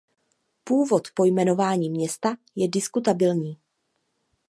Původ pojmenování města je diskutabilní.